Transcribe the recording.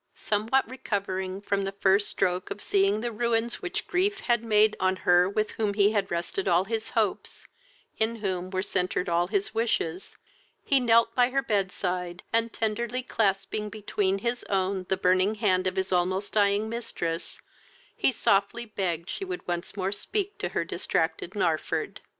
Somewhat recovering from the first stroke of seeing the ruins which grief had made on her with whom he had rested all his hopes, in whom were centered all his wishes, he knelt by her bedside, and, tenderly clasping between is own the burning hand of his almost dying mistress, he softly begged she would once more speak to her distracted Narford.